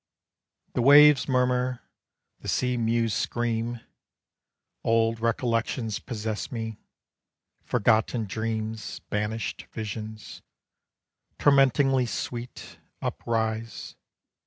The waves murmur, the sea mews scream, Old recollections possess me; Forgotten dreams, banished visions, Tormentingly sweet, uprise.